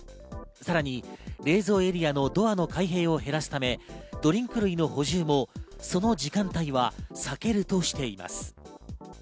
さらに冷蔵エリアのドアの開閉を減らすため、ドリンク類の補充もその時間帯は避けるとしています。